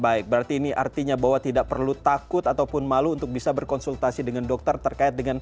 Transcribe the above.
baik berarti ini artinya bahwa tidak perlu takut ataupun malu untuk bisa berkonsultasi dengan dokter terkait dengan